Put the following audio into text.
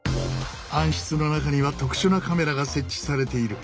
暗室の中には特殊なカメラが設置されている。